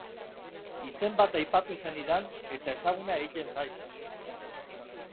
Izen bat aipatu zenidan, eta ezaguna egiten zait.